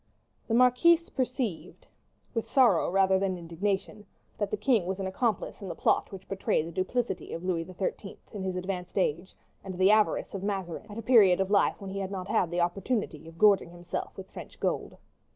The marquise perceived, with sorrow rather than indignation, that the king was an accomplice in the plot which betrayed the duplicity of Louis XIII. in his advanced age, and the avarice of Mazarin at a period of life when he had not had the opportunity of gorging himself with French gold.